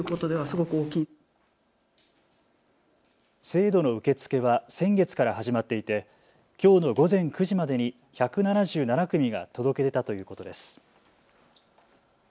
制度の受け付けは先月から始まっていてきょうの午前９時までに１７７組が届け出たということです。